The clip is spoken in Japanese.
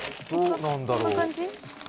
こんな感じ？